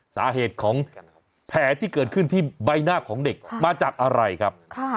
สาเหตุของแผลที่เกิดขึ้นที่ใบหน้าของเด็กมาจากอะไรครับ